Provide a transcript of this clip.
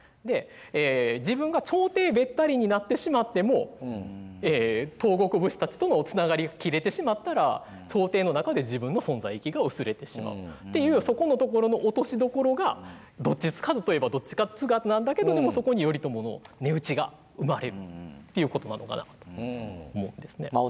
で自分が朝廷べったりになってしまっても東国武士たちとのつながりが切れてしまったら朝廷の中で自分の存在意義が薄れてしまうっていうそこのところの落としどころがどっちつかずといえばどっちつかずなんだけどでもそこに頼朝の値打ちが生まれるっていうことなのかなと思うんですね。